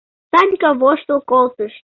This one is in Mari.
— Санька воштыл колтыш.